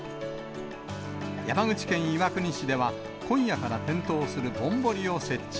山口県岩国市では、今夜から点灯するぼんぼりを設置。